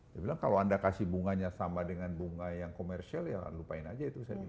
dia bilang kalau anda kasih bunganya sama dengan bunga yang komersial ya lupain aja itu saya bilang